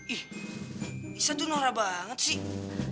ih liza tuh norah banget sih